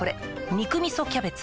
「肉みそキャベツ」